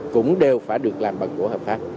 cũng đều phải được làm bằng gỗ hợp pháp